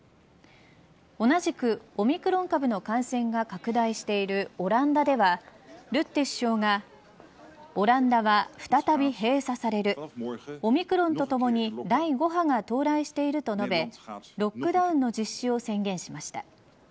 同じく、オミクロン株の感染が拡大しているオランダではルッテ首相がオランダは再び閉鎖されるオミクロンと共に第５波が到来していると述べロックダウンの実施を宣言しました。